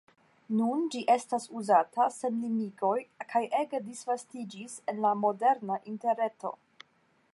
Nun ĝi estas uzata sen limigoj kaj ege disvastiĝis en la moderna Interreto.